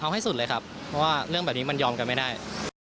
เอาให้สุดเลยครับเพราะว่าเรื่องแบบนี้มันยอมกันไม่ได้